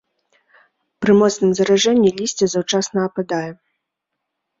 Пры моцным заражэнні лісце заўчасна ападае.